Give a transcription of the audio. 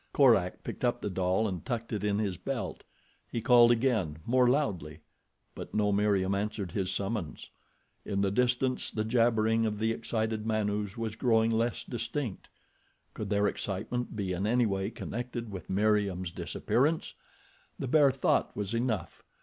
Korak picked up the doll and tucked it in his belt. He called again, more loudly; but no Meriem answered his summons. In the distance the jabbering of the excited Manus was growing less distinct. Could their excitement be in any way connected with Meriem's disappearance? The bare thought was enough.